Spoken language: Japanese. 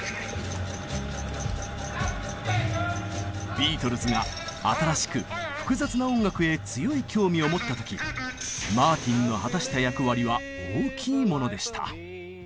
ビートルズが新しく複雑な音楽へ強い興味を持った時マーティンの果たした役割は大きいものでした。